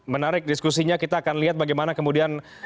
menarik diskusinya kita akan lihat bagaimana kemudian